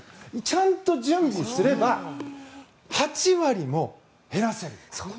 ちゃんと準備すれば８割も減らせる。